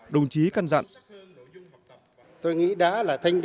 đồng chí cân dặn